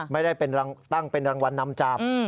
ไม่ได้ตั้งเป็นรางวัลนำจับ